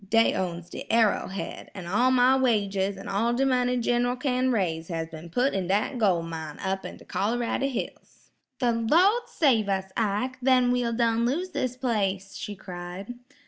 Dey owns de Arrow Head, an' all my wages an' all de money, Gin'ral kin raise has ben put in dat gol' mine up in de Col'rady hills." "The Lawd save us, Ike! Then we'll done lose this place,' she cried.